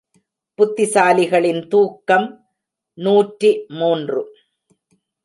புத்திசாலிகளின் தூக்கம் நூற்றி மூன்று.